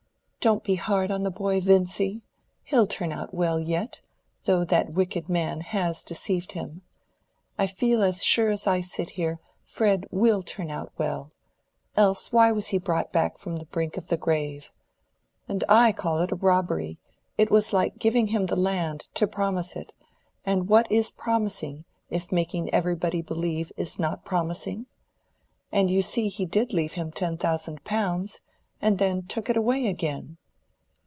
"Don't be hard on the poor boy, Vincy. He'll turn out well yet, though that wicked man has deceived him. I feel as sure as I sit here, Fred will turn out well—else why was he brought back from the brink of the grave? And I call it a robbery: it was like giving him the land, to promise it; and what is promising, if making everybody believe is not promising? And you see he did leave him ten thousand pounds, and then took it away again."